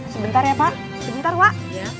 sebentar ya pak